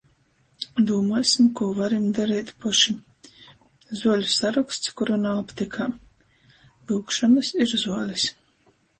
Dūmuosim, kū varim dareit poši. Zuoļu saroksts, kuru nav aptekā: "Lyugšonys" ir zuolis.